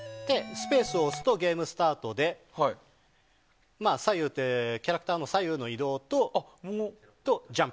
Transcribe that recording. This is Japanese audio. スペースを押すとゲームスタートでキャラクターの左右の移動と。